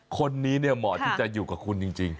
คนนี้เนี่ยเหมาะที่จะอยู่กับคุณจริง